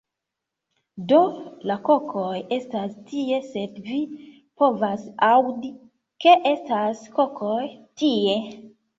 Do, la kokoj estas tie sed vi povas aŭdi, ke estas kokoj tie